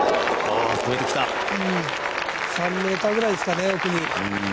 ３ｍくらいですかね、奥に。